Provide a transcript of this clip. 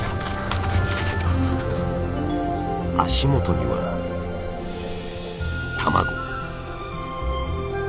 足元には卵。